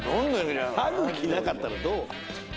歯茎なかったらどう？